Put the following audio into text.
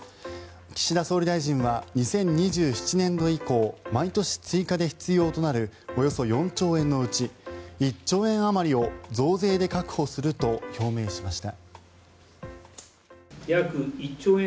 岸田総理大臣は２０２７年度以降毎年追加で必要となるおよそ４兆円のうち１兆円あまりを増税で確保すると表明しました。